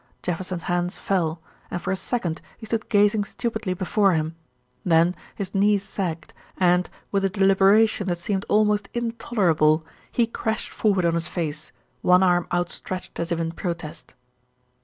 Jefferson's hands fell, and for a second he stood gazing stupidly before him; then his knees sagged and, with a deliberation that seemed almost intolerable, he crashed forward on his face, one arm outstretched as if in protest.